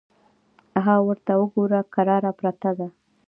_ها ورته وګوره! کراره پرته ده.